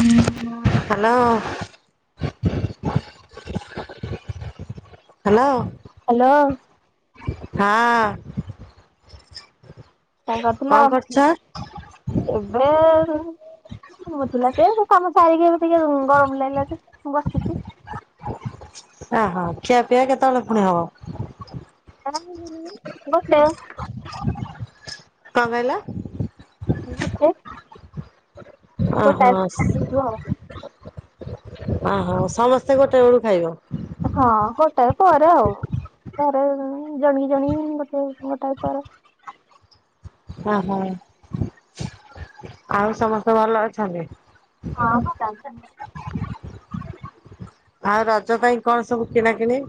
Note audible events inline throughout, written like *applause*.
ହୁଁ hello hello ହଁ *inaudible* ତା କରୁଥିଲ କଣ କରୁଛ? ଏବେ କଣ କଥିଲା ସେ ସାରିକି ଟିକେ ଗରମ ଲାଗିଲା ମୁ ବସିଛି। ଓହୋ ଖିଆ ପିଇଆ କେତେବେଳେ ପୁଣି ହବ? କସଥିଲେ କଣ କହିଲ? ଗୋଟେ ଓହୋ ଗୋଟାଏ। ଓହୋ ସମସ୍ତେ ଗୋଟେ ବେଳୁ ଖାଇବ? ହଁ ଗୋଟାଏ ପରେ ଆଉ ଘରେ ଜଣ ଜଣି ଗୋଟେ ଗୋଟାଏ ପରେ ଓହୋ ଆଉ ସମସ୍ତେ ଭଲ ଅଛନ୍ତି। ହଁ ଆଉ ରଜ ପାଇଁ କଣ ସବୁ କିଣା କିିଣି?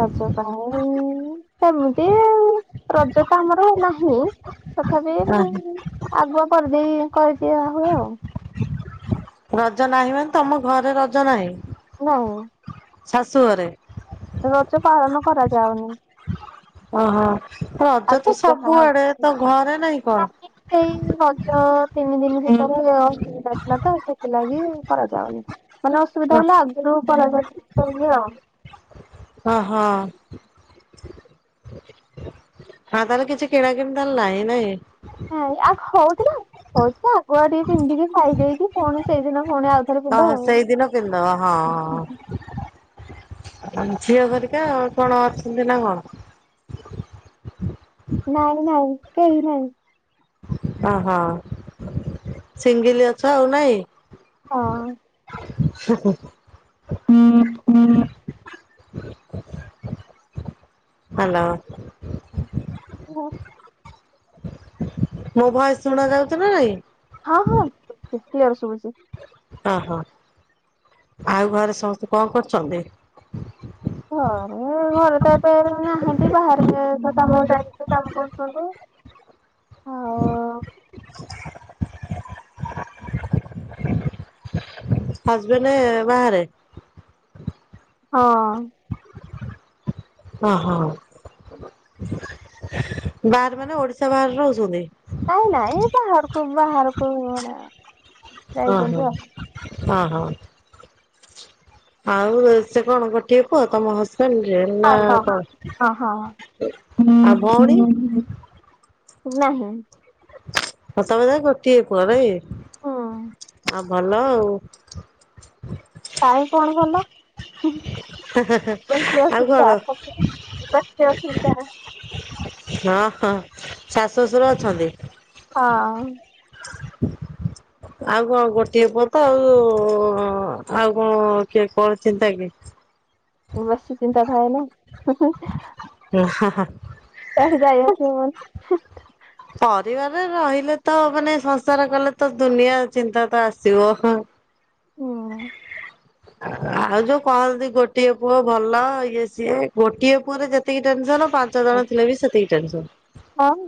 ରଜ ପାଇଁ ସେମିତି ରଜ ତ ଆମର ନାହିଁ। ତଥାପି ଓହୋ ଆଗୁଆ କରିଦେଇ କରିଦିଏ ଆ ହୋଉ। ରଜ ନାହିଁ ମାନେ ତମ ଘରେ ରଜ ନାହିଁ। ହେଲା ଆଉ। ଶାଶୁ ଘରେ। ପାଳନ କରାଯାଉନି। ଓ ହୋ। ରଜ ଆଗକୁ ତ ଦେଖାହବ। ସବୁଆଡେ ତ ଘରେ ନାଇଁ କଣ? ଛଅ ତିନି ଦିନ ଭିତରେ ଅସୁବିଧା ଥିଲା ତ ସେଥିଲାଗି କରାଯାଉନି। ମାନେ ଅସୁବିଧା ହେଲା ଆଗୁରୁ କରାଯାଇଚି ଆଉ। ଓହୋ ହଁ ତାହେଲେ କିଛି କିଣାକିଣି ତାଲେ ନାହିଁ ନାଇଁ। ହଁ ଆଉ ହଉଥିଲା ହଉଛି ଆଗୁଆ ଟିକେ ପିନ୍ଧିକି ଖାଇଦେଇକି ପୁଣି ସେଇଦିନ ପୁଣି ଆଉଥରେ ଓ ପିନ୍ଧ ହୋ ଆଉ। ସେଇଦିନ ପିନ୍ଦବ ହଁ। ଆ ଝିଅ କରିକା କଣ ଅଛନ୍ତି ନା କଣ। ନାଇଁ ନାଇଁ କେହି ନାଇଁ। ଓହୋ ସିଙ୍ଗିଲି ଅଛ ଆଉ ନାଇଁ। ହଁ। ହୁଁ ହୁଁ ହୁଁ। ହୁଁ। ହୁଁ। ହାଲୋ। ହୁଁ ହୁଁ। ମୋ ଭଏସ୍ ଶୁଣା ଯାଉଛି ନା ନାଇଁ। ହଁ ହଁ। କ୍ଳିଅର ଶୁବୁଛି। ଓହୋ ଆଉ ଘରେ ସମସ୍ତେ କଣ କରୁଛନ୍ତି? ହରେ ଘରେ ତ ଏବେ ନାହାଁନ୍ତି। ବାହାରେ କାମ ଡାଇରେକ୍ଟ କାମ କରୁଛନ୍ତି ଆଉ। ହସବେଣ୍ଡ ବାହାରେ। ହଁ। ଓହୋ ବାହାରେ ମାନେ ଓଡିଶା ବାହାରେ ରହୁଛନ୍ତି। ନାଇଁ ନାଇ ଏ ବାହାର ଖୁ ବାହାରକୁ ମାନେ ଓ ଯାଇଛନ୍ତି ହୋ। ଆଉ। ହଁ ହଁ। ଆଉ ସେ କଣ ଗୋଟିଏ ପୁଅ। ତମ ହସ ଲି ନା ହଁ ହଁ। କ ଅ ହଁ। ଆ ଭଉଣୀ। ନାହିଁ। ହ ତମ ଯା ଗୋଟିଏ ପୁଅ ନାଇଁକି। ହୁଁ ଭଲ ଆଉ। କାଇଁ କଣ କଲ। ଆଉ କଣ *unintelligible* ହଁ ହଁ ଶାଶୁ ଶଶୁର ଅଛନ୍ତି । ହଁ । ଆଉ କଣ ଗୋଟିଏ ପଅ ତ ଆଉ ଆଉ କଣ କିଏ କଣ ଚିନ୍ତା କି । ବେସି ଚିନ୍ତା ଥା ଏ ନା । *unintelligible* କୁଆଡେ ଯାଇ ଆସି ହବନି । *unintelligible* ପରିବାର ରେ ରହିଲେ ତ ମାନେ ସଂସାର କଲେ ତ ଦୁନିଆ ଚିନ୍ତା ତ ଆସିବ ହଁ । ହୁଁ । ଆଉ ଯୋଉ କହନ୍ତି ଗୋଟିଏ ପୁଅ ଭଲ ଇଏ ସିଏ ଗୋଟିଏ ପୁଅରେ ଯେତିକି ଟେନସନ ପାଞ୍ଚ ଜଣ ଥିଲେ ବି ସେତିକି ଟେନସନ ହଁ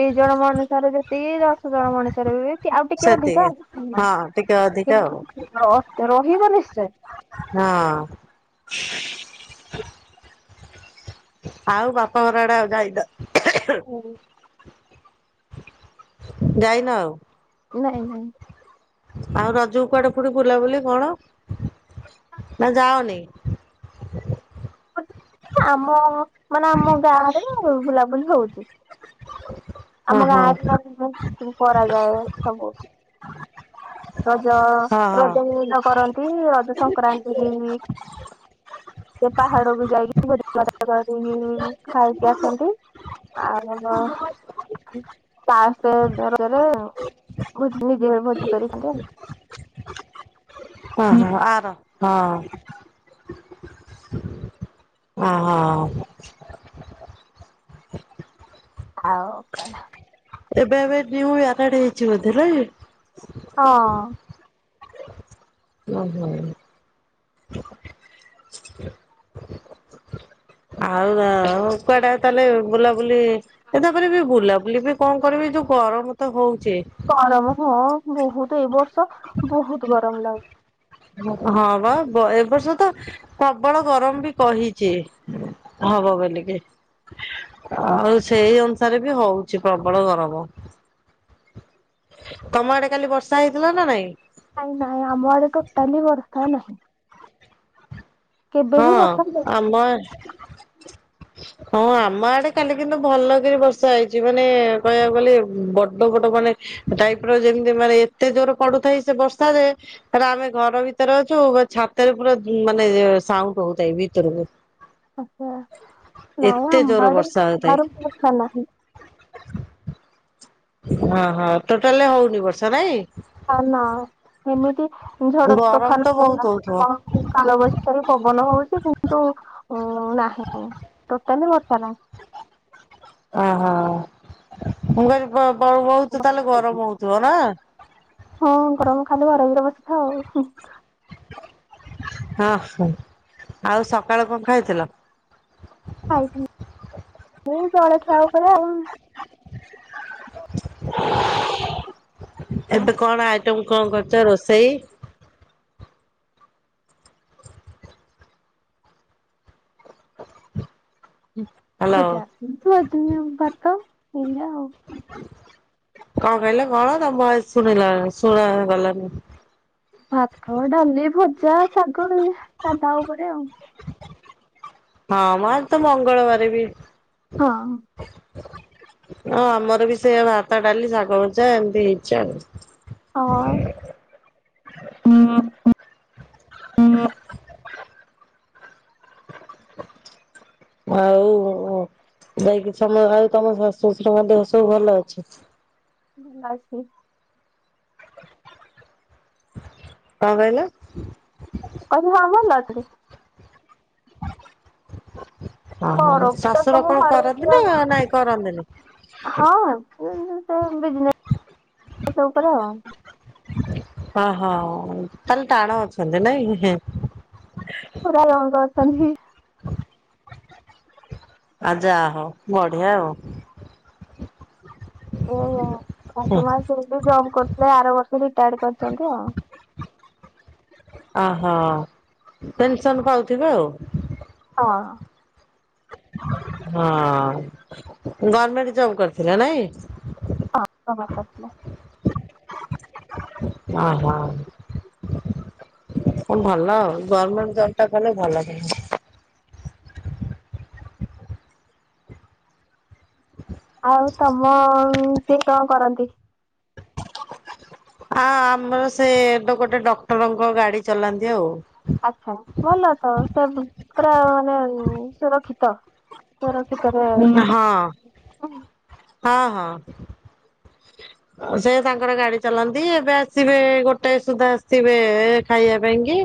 ଦି ଜଣ ମଣିଷର ଯେ ତି କ ଦଶ ଜଣ ମଣିଷରେ ବି ଆଉ ଟିକେ ସେତିକି ଅଧିକା ହଁ ଟିକେ ଅଧିକା ଆଉ । ରହିବ ନିଶ୍ଚୟ । ହଁ *inaudible* ଆଉ ବାପା ଘର ଆଡେ ଆଉ ଯାଇନ? *unintelligible* ଯାଇନ ଆଉ । ନାଇଁ ନାଇଁ ଆଉ ରଜକୁ କୁଆଡେ ଫୁଣି ବୁଲାବୁଲି କଣ ନା ଯାଅନି। ଆମ ମାନେ ଆମ ଗାଁ ରେ ବୁଲାବୁଲି ହଉଛି । *unintelligible* ହଁ ଆମ ହଁ ଗାଁରେ *unintelligible* କରାଯାଏ ସବୁ । ରଜ ହଁ ହଁ। ରଜ ମଉଜ କରନ୍ତି ରଜ ସଂକ୍ରାନ୍ତି ସେ ପାହାଡକୁୁ ଯାଇକି ଭୋଜି ଭାତ କରିକି ଖାଇକି ଆସନ୍ତି ଆଉ ଲାଷ୍ଟ ରଜରେ ନିଜେ ଭୋଜି କରି କି ଖାଆନ୍ତି ଆଉ ହଁ ହଁ ଆର ହଁ। ଅ ହଁ। ଆଉ କଣ ଏବେ ଏବେ ନ୍ୟୁ ମ୍ୟାରେଡ ହେଇଛି ବୋଧେ ନାଇ । ହଁ। ଓହୋ। ଆଉ ଆଉ କୁଆଡେ ତାହେଲେ ବୁଲା ବୁଲି ଏ ତାପରେ ବି ବୁଲାବୁଲି ବି କଣ କରିବି ଏ ଯୋଉ ଗରମ ତ ହଉଛି ଗରମ ହଁ। ବହୁତ ଏଇ ବର୍ଷ ଶୋ ବହୁତ ଗରମ ଲାଗୁ ହଁ ବା ଏ ବର୍ଷ ତ ପ୍ରବଳ ଗରମ ବି କହିଛି। ହବ ବେଲିକି। ଆଉ ସେଇ ଅନୁସାରେ ବି ହଉଛି ପ୍ରବଳ ଗରମ । ତମ ଆଡେ କାଲି ବର୍ଷା ହେଇଥିଲା ନା ନାଇଁ? ନାଇଁ ନାହିଁ ଆମ ଆଡ଼େ ଟୋଟାଲି ବର୍ଷା ନାହିଁ। କେବେ ହଁ ବି ବର୍ଷା ଆମ ହେଇନି। ହଁ ଆମ ଆଡେ କାଲି କିନ୍ତୁ ଭଲକିରି ବର୍ଷା ହେଇଛି ମାନେ କହିବାକୁ ଗଲେ ବଡ ବଡ ମାନେ ଟାଇପ ର ଯେମିତି ମାନେ ଏତେ ଜୋର ପଡୁଥାଏ ସେ ବର୍ଷା ଯେ ଆମେ ଘର ଭିତରେ ଅଛୁ ବା ଛାତରେ ପୁରା ମାନେ ସାଉଣ୍ଡ ହଉଥାଏ ଭିତରକୁ । ଆଚ୍ଛା ନାଇଁ ଆମ ଜୋର ଆଡ଼େ ବର୍ଷା ବି ହଉଥାଏ। ଜୋରେ ବର୍ଷା ନାହିଁ। ହଁ ହଁ ଟୋଟାଲ ହଉନି ବର୍ଷା ନାଇଁ । ଆ ନା ଏମିତି ଝଡ ଗରମ ତୋଫାନ ତ ବହୁତ ହେଲା ହଉଥିବ। କାଳ ବୈଶାଖୀ ପବନ ହଉଛି କି *inaudible* ନାହିଁ ତ କେନି ବୋଟସ ନା *unintelligible* ଓହୋ ମୁ କହିଲି ବ ବହୁତ ତାହେଲେ ଗରମ ହଉଥିବ ନା? ହଁ ଗରମ ଖାଦ ଘର ବି ଅବସ୍ଥା ଆଉ। ହଁ ହ ଆଉ ସକାଳ କଣ ଖାଇଥିଲ? ଖାଇଛି ମମୁଁ ଳଳଖିଆ ଉପରେ ଆଉ। *inaudible* ନା ଏବେ କଣ ଆ ତମ କଣ କରୁଛ ରୋଷେଇ ହ୍ୟାଲୋ। ଜାଜ *inaudible* ଭାତ। ଏଇନା ଆଉ। କଣ କହିଲ କଣ ତମ ଭଏସ୍ ସୁୁଣିଲ ସୁଣାଗଲାନି। ଭାତ ଡାଲି ଭଜା ଶାଗ ସାଧା ଉପରେ ଆଉ। ହଁ ମା ତ ମଙ୍ଗଳବାର ବି। ହଁ ହଁ ଆମର ବି ସେ ଭାତ ଡାଲି ଶାଗ ଭଜା ଏମିତି ହେଇଛି ଆଉ। ହଁ ହୁଁ ହୁଁ ଆଉ ଯାଇକି ସମ ଆଉ ତମ ଶାଶୁ ଶ୍ୱଶୁର ଦେହ ସବୁ ଭଲ ଅଛି। ସି *inaudible* କଣ କହିଲ? ହଁ ଭଲ ଅଛି। *inaudible* କରିନ୍ତି ତ ଶାଶୁର ସବୁ କଣ *inaudible* କରନ୍ତି ନା ନାଇଁ କରନ୍ତିନି? ହଁ ବିଜନେସ୍ ସବୁ କର *inaudible* ଓହୋ ତାହେଲେ ଟାଣ ଅଛନ୍ତି ନାଇ ପୁରୁର ରଙ୍ଗ *inaudible* *unintelligible* ଆ ଯାହଉ ବଢିଆ ଆଉ। ଓ ହୋ। ଆ ତୁମ *unintelligible* ସେ ଆରବର୍ଷ ରିଟାୟଡ୍ କରିଛନ୍ତି ଆଉ। *inaudible* ଆ ହା ପେନସନ୍ ପାଉଥିବେ ଆଉ? ହଁ *inaudible* ହଁ, ଗର୍ମେଣ୍ଟ ଜବ କରିଥିଲେ ନାଇଁ? ହଁ ହବଲେ *unintelligible* *inaudible* ଓହୋ କଣ ଭଲ ଆଉ ଗର୍ମେଣ୍ଟ ଜବ୍ ଟା କଲେ ଭଲ ଦି ଆଉ ତମ? କିଏ କଣ କରନ୍ତି? *inaudible* ଆ ଆମର ସେ ତ ଗୋଟେ ଡକ୍ଟରଙ୍କ ଗାଡି ଚଲାନ୍ତି ଆଉ। ଆଛା ଭଲ ତ ସବୁ। ପୁରା ମାନେ ସୁରକ୍ଷିତ। ସୁରଷକି ତର ହଁ *inaudible* ହଁ ହଁ *inaudible* ସେ ତାଙ୍କର ଗାଡି ଚଲାନ୍ତି, ଏବେ ଆସିବେ ଗୋଟଏ ସୁଦ୍ଧା ଆସିବେ ଏ ଖାଇଆ ପାଇଁ କି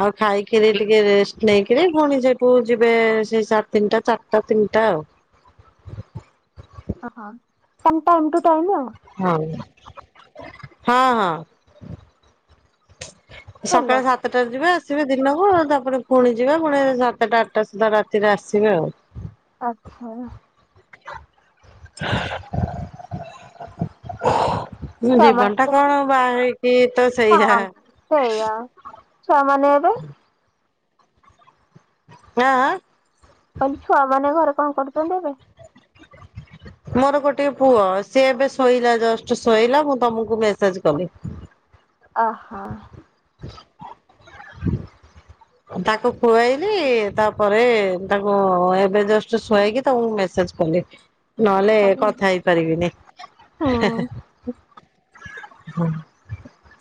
ଆଉ ଖାଇ କିରି ଟିକେ ରେଷ୍ଟ ନେଇକିରି ପୁଣି ସେଠୁ ଯିବେ ସେଇ ସା ତିନିଟା ଚାରିଟା ତିନିଟା ଆଉ। *inaudible* ହଁ ତାଙ୍କ ଟାଇମ୍ ଟୁ ଟାଇମ୍ ଆଉ। ହଁ *inaudible* ହଁ ହଁ। ଭଲ ସକାଳେ ସାତଟାରେ ଯିବେ ଆ ସେ ବି ଦିନକୁ ଦ ପୁଣି ଯିବେ ପୁଣି ସା ସାତେଟା ଆଠେଟା ସୁଦ୍ଧା ରାତିରେ ଆସିବେ ଆଉ। ଆଚ୍ଛା। *unintelligible* ମୋ ଜୀବନଟା ଛୁଆମାନେ କଣ ବାହା ହେଇ କି ତ ସେଇଆ। ହଁ ସେଇଆ ଛୁଆମାନେ ଏବେ *inaudible* ଆଁ ଆଁ। କହିଲି ଛୁଆ ମାନେ ଘରେ କଣ କରୁଛନ୍ତି ଏବେ? ମୋର ଗୋଟିଏ ପୁଅ ସିଏ ଏବେ ଶୋଇଲା ଜଷ୍ଟ୍ ଶୋଇଲା ମୁଁ ତମକୁ ମେସେଜ୍ କଲି। ଆହା। *unintelligible* ତାକୁ ଖୁଆଇଲି ତାପରେ ତାକୁ ଏବେ ଜଷ୍ଟ୍ ଶୁଆଇକି ତମକୁ ମେସେଜ୍ କଲି। ନହେଲେ ହୁଁ କଥା ହେଇପାରିବିନି। *inaudible* *inaudible*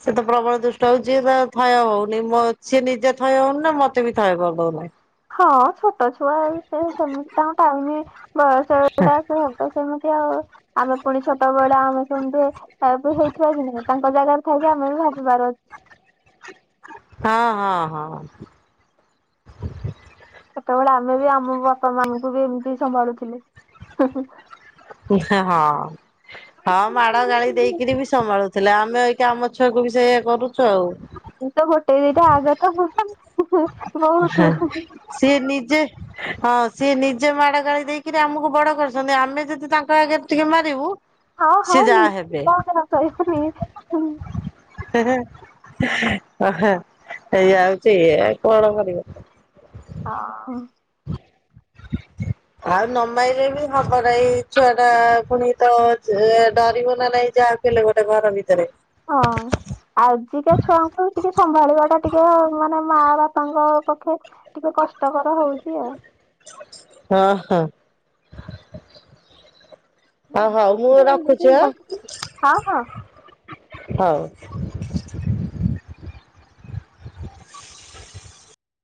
ସେ ତ ପ୍ରବଳ ଦୁଷ୍ଟ ହଉଛି ତ ଥୟ ହଉନି ମୋ ସେ ନିଜେ ଥୟ ହଉନି ନା ମତେ ବି ଥୟ କରିଦଉନି। ହଁ ଛୋଟ ଛୁଆ ଆଉ ସେ ସେମିତି ତାଙ୍କୁ ଟାଇମ ବୟସଟା ଏବେ ସେ ହେବେ ସେମିତି ଆଉ। ଆମେ ପୁଣି ଛୋଟ ବେଳେ ଆମେ ସେମିତି ହେଇଥିବା କି ନାଇଁ ତାଙ୍କ ଜାଗାରେ ଥାଇକି ଆମେ ବି ଭାବିବାର ଅଛି। ହଁ ହଁ ହଁ। ସେତେବେଳେ ଆମେ ବି ଆମ ବାପା ମାନଙ୍କୁ ବି ଏମିତି ସମ୍ଭାଳୁ ଥିଲୁ। ହଁ ହଁ ମାଡ ଗାଳି ଦେଇକିରି ବି ସମ୍ଭାଳୁ। ହେଲେ ଆମେ ଅ ମୁଁ ତ ଗୋଟେ ଦିଟା ଆଗତ ହଁ ବହୁତ ସିଏ ନିଜେ ହଁ ସିଏ ନିଜେ ମାଡ ଗାଳି ଦେଇକିରି ଆମକୁ ବଡ କରିଛନ୍ତି ଆମେ ଯଦି ତାଙ୍କ ଆଗରେ ଟିକେ ମାରିବୁ ହଁ ହଁ ସିଏ ଯାହା ହେବେ ନିହାତି କହିବେନି। ହେଇ ଯାଉଛି କଣ କରିବ। ହଁ। ଆଉ ନମାଇଲେ ବି ହବ ନାହିଁ ଏଇ ଛୁଆ ଟା ପୁଣି ତ ଡରିବ ନା ନାଇଁ ଯାହାକୁ ହେଲେ ଗୋଟେ ଘର ଭିତରେ। ହଁ ଆଜିକା ଛୁଆଙ୍କୁ ଟିକେ ସମ୍ଭାଳିବା ଟା ଟିକେ ମାନେ ମା ବାପାଙ୍କ ପକ୍ଷେ ଟିକେ କଷ୍ଟକର ହଉଚି ଆଉ। ହଁ ହଁ ହଉ ହଉ ଦି ମୁଁ ରଖୁଛି ଆଁ ହଁ ହଁ *unintelligible* ହଉ।